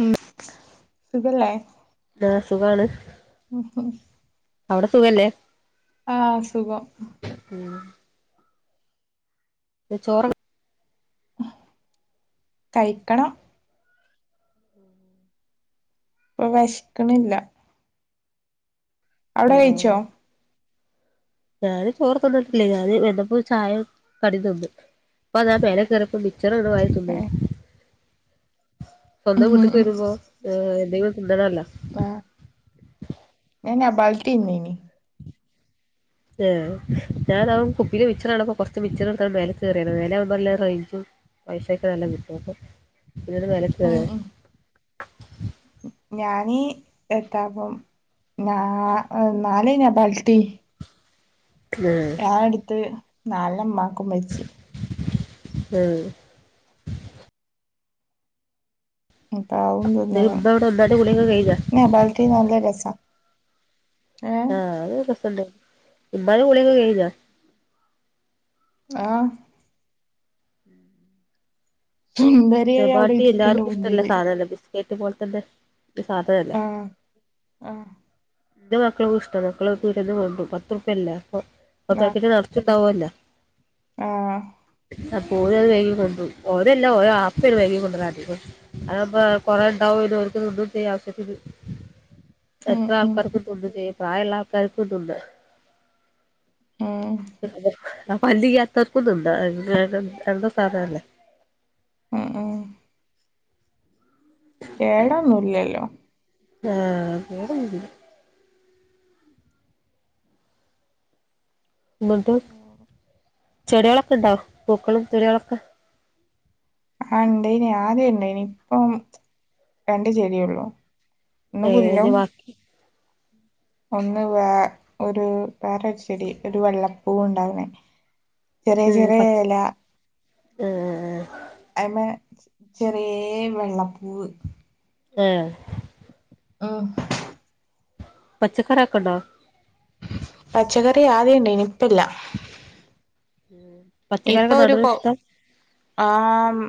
ഉം സുഖല്ലേ? ആഹ് സുഖാണ്. മ്ഹ് ഉം അവിടെ സുഖല്ലേ? ആഹ് സുഖം [unintelligible] ചോറ കയ്ക്കണം [inaudible] ഇപ്പൊ വെശ്ക്കണില്ല അവിടെ കേച്ചോ ഞാന് ചോർ തിന്നിട്ടില്ലേ ഞാന് ന്നപ്പോ ചായ കടി തിന്നു പ്പൊ ഞാൻ പേരെ കേറി [unintelligible] വാരി തിന്നാണ് ഏഹ് സ്വന്തം ഉം വീട്ട്ക്ക് ഉം വരുമ്പോ എന്തെങ്കിലും തിന്നണല്ലോ ആഹ് ഞാൻ നബാട്ടി തിന്നീനി ഏ ഞാന അഹ് കുപ്പില് മിച്ചറണ്ടപ്പോ കൊറച്ച് മിച്ചർ എടുത്ത് മേലെക്കെറീതാ മേലാവുബോ നല്ല റേഞ്ചു പൈസക്കെ നല്ല കിട്ടൊപ്പൊ ഇങ്ങളു ഉം മേലെക്കേറിയോ ഉം ഞാന് എത്താപ്പം നാ നാല് നബാട്ടി ആഹ് ഞാൻ എടുത്ത് നാലെണ്ണം മാക്കും വെച്ച് ഉം വും തിന്നണം ഇമ്മ അവിടെ ഉമ്മാന്റെ കുളിയൊക്കെ കഴിഞ്ഞോ നബാട്ടി നല്ല രസാ ഏഹ് ആഹ് അത് രസണ്ട് ഇമ്മാന്റെ കുളിയൊക്കെ കയ്ഞ്ഞ ആഹ് [unintelligible] നബാട്ടി ഇരിക്കണ്ട് എല്ലാർക്കും ഇഷ്ടല്ല മുന്നില് സാധനം റ്റി പോലത്തെന്നെ സാധനല്ല ആഹ് ആഹ് ന്റെ മക്കള്ക്കു ഇഷ്ട മക്കള് പീടെന്ന് കൊണ്ട്രും പത്തുറുപ്യയല്ലെ അപ്പൊ ആഹ് പാക്കറ്റ് ഇച്ച്ണ്ടാവല്ലോ ആഹ് അപ്പ ഓല്അത് വെങ്ങി കൊണ്ടേരും കൊണ്ട ഓരല്ലാ ഓരെ വാപെണ് വെങ്ങി കൊണ്ടരാ അതാമ്പോ കൊറേണ്ടാവും ഓര്ക്ക്‌ തിന്നും ചെയ്യാ ഉം എത്ര ഉം ആൾക്കാർക്കും തിന്നും ചെയ്യ പ്രായള്ള ആൾക്കാർക്കും തിന്ന ആഹ് പല്ലില്ലാതോർക്കും തിന്ന ന്ത സാധനല്ലേ ആഹ് ആഹ് കേടൊന്നില്ലല്ലോ ആഹ് കേടൊന്നുല്ല ന്നിട്ട് ചെടിയാളൊക്കെണ്ടോ പൂക്കളും ചെടികളൊക്കെ ആഹ് ണ്ടെയിനിം ആദ്യം ണ്ടെയിനിം ഇപ്പം രണ്ട് ചെടിയാളോള്ളൂ ഏ അത് വാ ഒന്ന് വേ ഒരു വേറരുച്ചെടി ഒരു വെള്ളപ്പൂ ഉണ്ടാവണെ ഉം പച്ച ആഹ് ആഹ് അയ്മെ ചെറിഴെ വെള്ളപ്പൂവ് ഏഹ് ഉം പച്ചക്കറിയൊക്കെണ്ടോ പച്ചക്കറി ആദ്യണ്ടെയ്ന് ഇപ്പല്ല ഉം പച്ചക്കറിയൊക്കെ നടണെ ഇഷ്ട ആഹ്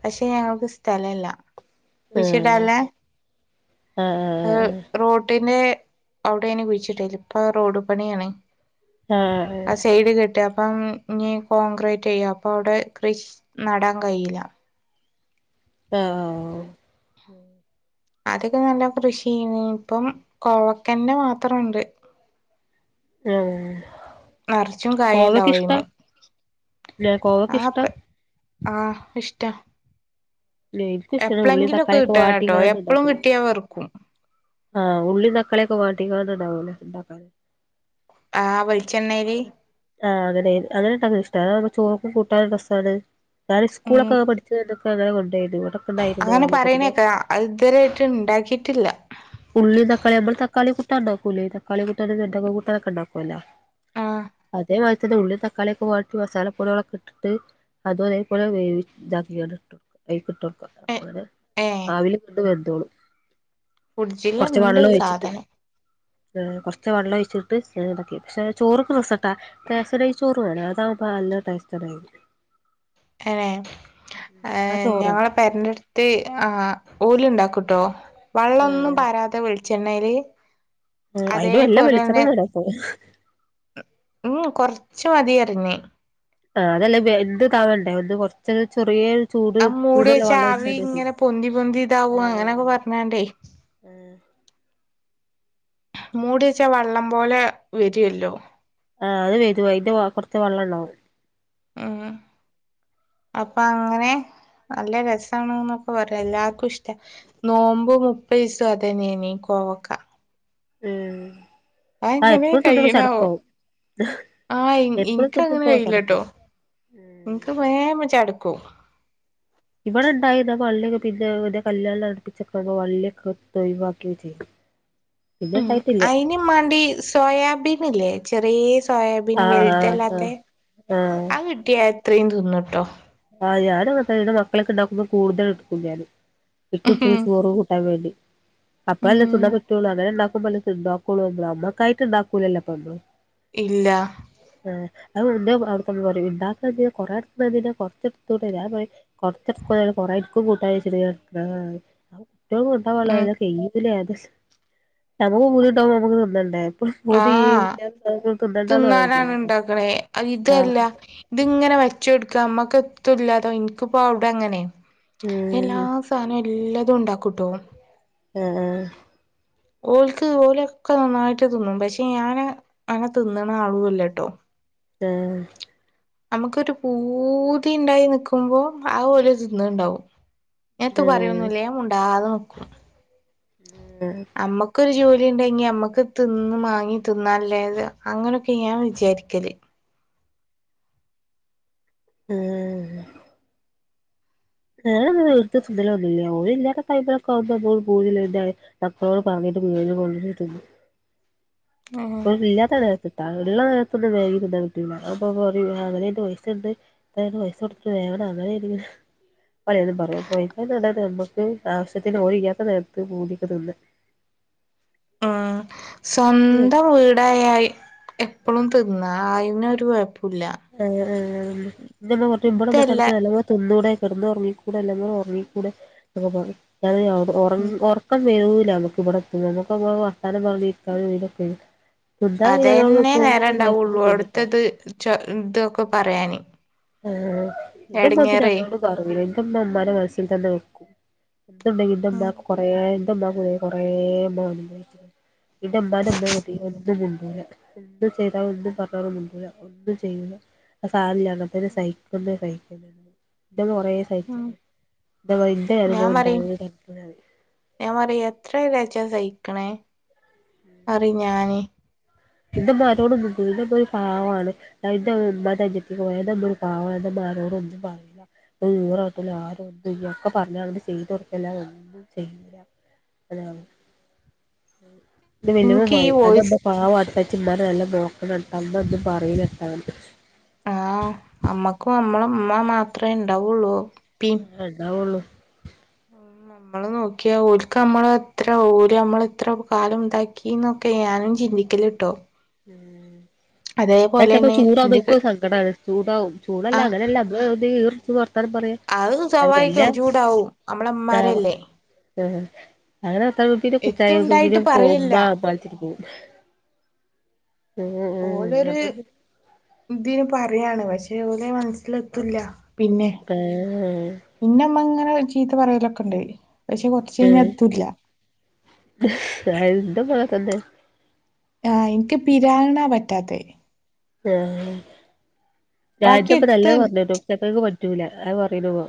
പക്ഷെ ഞങ്ങക്ക് സ്ഥലല്ല ആഹ് കുയിച്ചിടാന്ല്ലേ ഏ ആഹ് റൊട്ടിന്റെ അവിടെയ്നി കുഴിച്ചിടല് ഇപ്പൊ റോഡ് പണിയാണ് ആഹ് സൈഡ് കെട്ട അപ്പം ഇനീ കോൺക്രീറ്റെയ്യ അപ്പൊ അവ്ടെ ക്രിഷ് നടാൻ കയില്ല ആഹ് ഉം അദ്യോക്കെ നല്ല കൃഷിചെയ്യണ് ഇപ്പം കോവക്കന്റെ മാത്രണ്ട് ഏഹ് നിറച്ചും കോവക്ക കായുണ്ടാവും ഇഷ്ട്ടാ അയിമെ ലെ കോവക്ക ആ ഇഷ്ട്ടാ ആഹ് ഇഷ്ട്ടാ എനിക്കും ഇഷ്ടാണ് ഉള്ളി എപ്പളെങ്കിലോക്കെ തക്കാളിയൊക്കെ കിട്ടാണെട്ടോ വാട്ടിക്കാണ്ട് എപ്പളും ഇണ്ടാക്ക്ണത് കിട്ടിയാ വെറുക്കും ആഹ് ഉള്ളീം തക്കാളിയൊക്കെ വാട്ടിങ്ങാണ്ട്ണ്ടാവുലെ ഇണ്ടാക്കാന് ആഹ് വെളിച്ചെണ്ണേല് ആഹ് അങ്ങനെ അങ്ങനെട്ടത് ഇഷ്ട്ട അതാവുമ്പോ ചോറുക്കും കൂട്ടാനോരു രസാണ് ഞാൻ ഉം സ്കൂളൊക്കെ പഠിച്ച അങ്ങനെ കോണ്ടായിണ്ട് ഇവടെ അങ്ങനെ പറയണേക്ക അതിത്വരായിട്ട് ഇണ്ടാക്കീട്ടില്ല ഉള്ളീം തക്കാളിയും അമ്മൾ തക്കാളി കൂട്ടൻണ്ടാക്കൂല്ലേ തക്കാളികുട്ടാന് [unintelligible] കൂട്ടാനൊക്കെ ണ്ടാക്കുവല്ല ആഹ് അതേ മാരിത്തന്നെ ഉള്ളീം തക്കാളിയൊക്കെ വാട്ടി മസാല പൊടികളൊക്കെ ഇട്ടിട്ട് അതും അതെപോലെ വേവി ഇതാക്കികാണ്ട് ഇട്ടു അതിക്കിട്ടോ ക്കാ ഏ അപ്പങ്ങനെ ഏ ആവില് കടന്ന് വെന്തോളും കൊറച്ച് ഫ്രിഡ്ജിലുണ്ട് വള്ളോഴിച്ചിട്ട് സാധനം ഏഹ് കൊറച്ച് വള്ളോഴിച്ചിട്ട് ഇണ്ടാക്കി പക്ഷെ ചോറ്ക്ക് രസട്ടാ റേസനരി ചോറ് വേണം അതാവുമ്പോ നല്ല ടെസ്റ്റാണ് കഴിക്കാൻ എനെ ആ ഏഹ് ചോറാണ് ഞങ്ങളെ പെരറ്റെടുത്ത് ആഹ് ഓല്ണ്ടാക്കുട്ടോ വള്ളോന്നും ആഹ് പരാതെ വെളിച്ചെണ്ണേല് ആഹ് അയിനും നല്ല വെളിച്ചെണ്ണ വേണപ്പോ ഉം കൊറച്ച് മതിയറിഞ്ഞ് ആഹ് അതല്ലേ വെന്ത് താവണ്ടേ ഒന്ന് കൊറച്ചോരു ചെറി ചൂട് അത് മൂടി ചൂടല്ല വെച്ച ആവി വള്ളോയിച്ചാൽ മതി ഇങ്ങനെ പൊന്തി പൊന്തി ഇതാവും ആഹ് അങ്ങനെയൊക്കെ പറഞ്ഞാണ്ടേ ആഹ് മുടിവെച്ചാ വള്ളം പോലെ വരുവേല്ലോ ആഹ് അത് വരും അയിന്റെ കൊറച്ച് വെള്ളണ്ടാവും ആഹ് അപ്പ അങ്ങനെ നല്ല രസാണ്ന്നൊക്കെ പറയാ എല്ലാർക്കും ഇഷ്ട്ടാ നോമ്പ് മുപ്പെസവും അതെനേയ്നി കോവക്ക ഉം ആ അതെങ്ങനെ എപ്പഴും തിന്നുമ്പോ കയ്യ്ണാവോ ചടപ്പാവും ആഹ് ഇൻ എപ്പഴും ഇൻക്കങ്ങനെ തിന്നുമ്പോ കയില്ലട്ടോ ചടപ്പാവും ഇന്ക്ക് വേം ചാടക്കു ഇവിടെണ്ടായിരുന്ന വള്ളിയൊ പിന്നെ ന്റെ കല്യാണ അടുപ്പിചോക്കെ വള്ളിയൊക്കെ ഇട്തൊഴിവാക്കിയൊക്കെ ചെയ്ത് പിന്നെണ്ടായിട്ടില്ല നിം മാണ്ടി സോയാബീനില്ലേ ചെറിയെ സൊ സോയാബീന് ആ ആ വെൽതല്ലാത്ത ആ ആഹ് കിട്ടിയാ എത്രയും തിന്നുട്ടോ ആഹ് ഞാനും അങ്ങൻതന്നെ ഇന്റെ മക്കളൊക്ക ഇണ്ടാക്കുമ്പോ കൂടുതൽ എട്ക്കും ഞാന് ഇക്ക് ഉം ഉച്ചക്ക് ചോറ് കൂട്ടാൻ വേണ്ടി ഉം അപ്പയല്ലേ തിന്നാൻ പറ്റൊള്ളു അങ്ങനെ ഇണ്ടാക്കുമ്പല്ലേ ഇണ്ടാക്കൂള് നമ്മള് അമ്മക്കായിട്ട് ഇണ്ടാക്കൂലല്ലോ ഇപ്പ അമ്മള് ഇല്ല ആഹ് അവു അവടെ കെടന്ന് പറിം ഇണ്ടാക്ക കൊറെട്ക്കണ എന്തിനാ കൊ തൂട്ടെ ഞാൻ പറിം കൊറച്ചട്ക്ക്ണേലും കൊറെഇൻക്കും കൂട്ടാചാരിച്ചിട്ട് ഞ കുട്ട്യോൾക്ക് കൊടുക്കാൻ പാടില്ല ഉം നല്ലോ കെയികി നമ്മക്കും പൂതി ഉണ്ടാവുമ്പോ നമ്മക്ക് തിന്നണ്ടേ എപ്പളും പൂതി ആഹ് ഇല്ലാത്ത സാധനങ്ങള് തിന്നണ്ടാന്ന് പറയാൻ തിന്നാനാണ് പറ്റൂലല്ലോ ഇണ്ടാക്കണേ അഹ് ഇതല്ല ആഹ് ഇത് ഇങ്ങനെ വെച്ചെടുക്ക അമ്മക്ക് എത്തുല്ലാതോ ഇൻക്ക്പ്പോ അവ്ടെ അങ്ങനേ എല്ലാ ഉം സാനോം എല്ലതും ഉണ്ടാക്കൂട്ടോ ആഹ് ആഹ് ഓൽക്ക് ഓലൊക്കെ നന്നായിട്ട് തിന്നും പഷേ ഞാനങ്ങ അങ്ങൻ തിന്നണ ആളുഅല്ലാട്ടോ ആഹ് അമ്മക്കൊരു പൂതി ഇണ്ടായി നിക്കുമ്പോ ആഹ് ഓല് തിന്ന്ഇണ്ടാവും എത്തും ആഹ് പറയൊന്നല്ലേ മുണ്ടാതെ നിക്കും ഏഹ് നമ്മക്കൊരു ജോലി ഉണ്ടെങ്കി അമ്മക്ക് തിന്ന് മാങ്ങി തിന്നനല്ലേത് അങ്ങനെയൊക്കെ ഞാൻ വിചാരിക്കല് ഉം ഞാനൊന്നും എടുത്ത് തിന്നലൊന്നും ഇല്ല ഓല്ഇല്ലാത്ത ടൈമിലൊക്കെ ആകുമ്പോ മോള് [unintelligible] മക്കളോട് പറഞ്ഞിട്ട് മീന് കൊണ്ടന്ന് തിന്നും ആഹ് ഓൽ ഇല്ലാത്ത നേരത്ത്ട്ടോ ഇള്ള നേരത്ത്ന്ന് മേകി തിന്നാൻ കിട്ടില്ല അപ്പ പറിം ആഹ് അങ്ങനന്റെ പൈസണ്ട് അത്രത് പൈസ കൊടുത്തു വേവണോ അങ്ങനെ ഇല്ല പലേതും പറയും അപ്പൊ കുഴപ്പല്യാനട തിന്നിട്ട് ആവശ്യത്തിന് ഓല് ഇയ്യാത്ത നേരത്ത് പൂതിക്ക് തിന്ന് ഉം സ്വന്തം വീടയായി എപ്പളും തിന്ന അയിനൊരു കൊഴ ആഹ് ആഹ് ഇന്ന ഇമ്മ കൊറച്ച ഇതല്ല ഇമ്പളന്ന്ട്ടനക്ക് [unintelligible] തിന്നൂടെ കിടന്ന് ഉറങ്ങിക്കൂടെ അല്ലങ്ങി ഉറങ്ങിക്കൂടെ ഒക്കെ പറിം ഞാനിനി [unintelligible] ഒറൻ ഉം ഒറക്കം വരൂല നമ്മക്ക് ഇവടെ എത്തുന്നത് നമ്മക്കങ്ങനെ വർത്താനം പറഞ്ഞരിക്കനും ഇതോക്കെണ് അതന്നെ നേര ഉണ്ടാവൊള്ളൂ തിന്നുട്ടാ ഉള്ളോടുത്തത് ച ഇതൊക്കെ പറയാന് ആഹ് ഇന്റെ എടങ്ങേറേ ഉമ്മഅതിനാരോടു പറയു ഇന്റെമ്മ ഉമ്മാന്റെ മനസ്സിൽ തന്നെ വെക്കും എന്തുണ്ടങ്കി ഉം ഇന്റമ്മാക് കൊറേ ഇന്റെഇമ്മാക്ക് വേ കുറേ ഒന്നും ആവുന്നില്ല [inaudible] ഇന്റെഇമ്മന്റെ ഇമ്മ ഒതീഎന്തും മുണ്ടൂല എന്തും ചെയ്താ ഒന്നും പറഞ്ഞാലും മുണ്ടൂല ഒന്നും ചെയ്യൂല ആഹ് സാരല്ല്യാന്ന ഒര് സൈക്കുന്നേ സൈക്കല്ലാതെ ന്റെഉമ്മ കൊറേ [inaudible] ഇന്റെവൈഫൈ പോയിട്ടരുന്നു [unintelligible] ഞാ പറി എത്രജാച്ചാ സഹിക്കണേ അറി ഞാന് ഇന്റെമ്മ ആരോടും മുണ്ടൂല ന്റെ ഉമ്മൊരു പാവാണ് അയിന്റെ ഉമ്മ ഉമ്മാന്റെ അൻജത്തി പോയ ന്റെ ഉമ്മ ഒരു പാവാണ് ന്റെ ഉമ്മ ആരോടും ഒന്നും പറീല ഈറ ആട്ടുല ആരോടും ഇഞ്ഞി ഒക്കെ പറഞ്ഞ അങ്ങട്ട് ചെയ്തൊട്ക്കല്ലാതെ ഒന്നും ചെയ്യൂല അതാവും വല്ലിമ്മ ഇൻക്ക് ഈ പോയി അന്റെ ഉമ്മ വോയിസ് പാവട്ടച്ചിമ്മാനെ നല്ല നോക്കണം ട്ടോ ഉമ്മ ഒന്നും പറയൂലട്ടോന്ന് ആഹ് അമ്മക്കും അമ്മള ഉമ്മ മാത്രേ ഉണ്ടാവൊള്ളൂ പ്പിം ആ ഉണ്ടാവൊള്ളൂ മ്മള് നോക്കിയാ ഓൽക്ക് അമ്മളെ എത്ര ഓര് അമ്മള് ഇത്ര കാലം ഇതാക്കി ഈന്നൊക്കെ ഞാനും ചിന്തിക്കല് ട്ടോ ഇന്നത്തപ്പോ ചൂടാവുമ്പോ ഇൻക്കും ഇന്റെ ഒര് സങ്കടാണ് ചൂടാവും ചൂടല്ല ആഹ് അങ്ങനെഅല്ല അമ്മള് ഒന്നീഈറടുച്ചിമ്പോ വർത്താനം പറയാ അഹ് അത് സ്വഭാവികം എല്ലാ ചൂടാവും ആഹ് അമ്മളമ്മാരല്ലേ അങ്ങനെ [unintelligible] കുച്ചായ എത്തുണ്ടായിട്ട് കുപ്പീലും പോവും ഉമ്മ പറയല്ല [unintelligible] മ് മ് ഓലൊരു മ് [inaudible] ഇതിന് പറയാണ് പക്ഷെ ഓലെ മനസ്സിലെത്തുല്ല പിന്നെ ആഹ് എന്റെ അമ്മ അങ്ങനെ ചീത്ത പറയലൊക്കെ ഉണ്ട് പക്ഷെ കുറച്ച് കഴിഞ്ഞ അതൂല്ല [unintelligible] ആഹ് എനിക്ക് പിരാങ്ങണാ പറ്റാത്തെ ആഹ് ഞാൻ ബാക്കി ചിലപ്പോ നല്ലത് എത്തും പറഞ്ഞ് വിടും ചിലപ്പോ ഒക്കെ പറ്റൂല അത് പറയണ പോ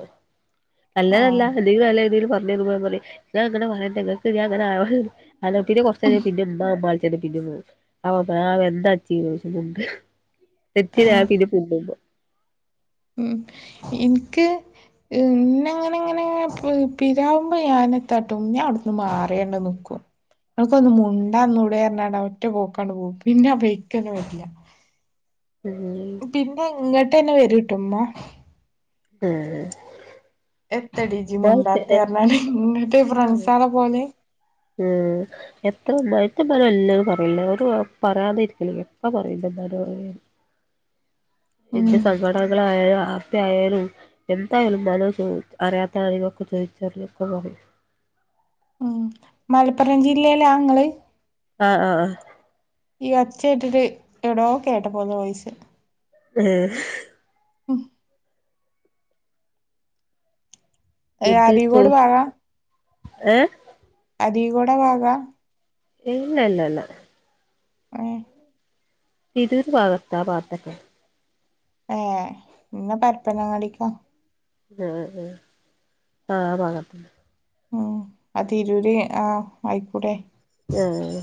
നല്ലതല്ല ആഹ് നീ നല്ല രീതിയിൽ പറഞ്ഞത് പോ പറയും ഞാ അങ്ങന പറയട്ടേ എന്നിട്ട് ഞാൻ അങ്ങനെ അന്നാ പിന്നെ കുറച്ച കഴിഞ്ഞാ പിന്നെ ഉമ്മ ഉമ്മ വിളിച്ചോണ്ട് പിന്നെം പോം [unintelligible] [unintelligible] മ് എനിക്ക് ഇന്ന അങ്ങനെ ഇങ്ങനെ പിരാകുമ്പോ ഞാനത്തട്ടും ഞാൻ അവിടുന്ന് മാറിയേണ്ട നിക്കും നിനക്കൊന്ന് മുണ്ടാന്നൂടെ എറണാട ഒറ്റ പോക്കാങ്ങ് പോകും പിന്നെ ആ വഴിക്കൊന്നും വരില്ല മ് പിന്നെ ഇങ്ങോട്ട് തന്നെ വരൂട്ടോമ്മ മ് എത്തടീച്ചി മുണ്ടാത്തെ എറനാള് ഇങ്ങിട്ട് ഫ്രണ്ട്സാല പോലെ മ് എത്ര മയത്തിൽ പറയില്ലാന്നു പറയില്ല അവർക്ക് പറയാതെ ഇരിക്കില എപ്പാ പറയില്ല മനോ ഉം എന്റെ സങ്കടങ്ങൾ ആയാലും ഹാപ്പിയായാലും എന്തായാലും മനോസുഖം അറിയാത്താണങ്കൊക്കെ ചോദിച്ചറിഞ്ഞൊക്കെ പോണേ മ് മലപ്പുറം ജില്ലയില ഇങ്ങള് ആഹ് ആഹ് ആഹ് ഈ ഒച്ച കേട്ടിട്ട് എവിടോ കേട്ട പോുലേ വോയിസ് മ് മ് ഫുഡ്‌ കഴിച്ചോ അരീക്കോട് ഭാഗാ ഏഹ് അരീക്കോട് ബാഗാ ഏയ്യ് അല്ല അല്ല ആഹ് തിരൂർ ഭാഗത്താ ആ ഭാഗതന്നെ അഹ് ഇങ്ങ് പരപ്പനങ്ങാടിക്കാ മ് മ് അഹ് ഭാഗത്തു മ് അതീരൂരെ ആഹ് ആയിക്കൂടെ മ്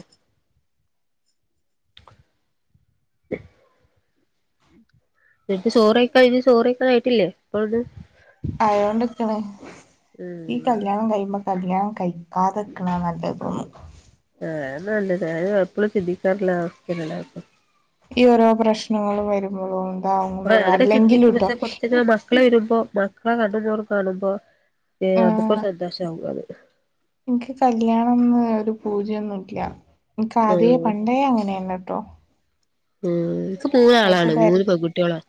നിനക്ക് ചോർ കഴിഞ്ഞ് ച്ചോ റേക്കാറായിട്ടില്ലേ അപ്പോഴന്ന് അയോണ്ടിക്കണ് ഈ ഉം കല്യാണം കഴിയുമ്പോ കല്യാണം കഴിക്കാതിക്കണ നല്ലതെന്ന് തോന്നും അഹ് ഞാനുമുണ്ട് ഞാനും എപ്പോഴും ചിന്തിക്കാറുള്ള അവസ്ഥയാണ് ഈ ഓരോ പ്രശ്നങ്ങൾ വരുമ്പോഴോ ഉണ്ടാവുമ്പോഴോ അങ്ങനെ അല്ലെങ്കിലും ചിന്തിക്കും ട്ടോ പക്ഷെ കുറച്ച് മക്കള് വരുമ്പോ മക്കളെ കണ്ടും മോറും കാണുമ്പോൾ നമുക്കൊരു സന്തോഷമാകും അത് എനിക്ക് കല്യാണം ന്ന് ഒരു പൂതിയൊന്നും ഇല്ല എനിക്ക് ആദ്യേ പണ്ടേ അങ്ങനെയില്ല ട്ടോ. മ് എനിക്ക് പക്ഷെ മൂന്നാളാണ് മൂന്ന് പെൺകുട്ടികളാണ്.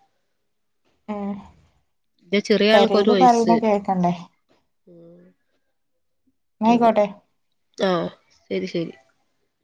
മ് ആൾക്ക് ഒരു പെരയില് വയസ്സ് പറയുന്നെ കേൾക്കണ്ടേ ന്നായിക്കോട്ടെ ആഹ് ശരി ശരി